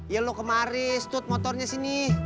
ya lo kemari stut motornya sini